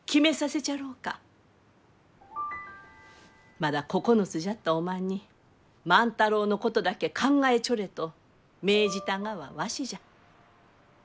まだ９つじゃったおまんに万太郎のことだけ考えちょれと命じたがはわしじゃ。